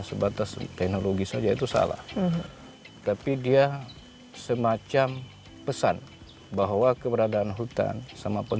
sebatas teknologi saja itu salah tapi dia semacam pesan bahwa keberadaan hutan sama pun